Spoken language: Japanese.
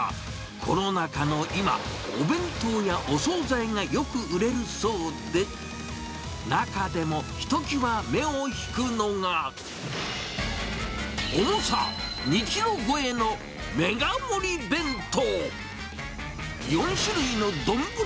コロナ禍の今、お弁当やお総菜がよく売れるそうで、中でも、ひときわ目を引くのが、重さ２キロ超えのメガ盛り弁当。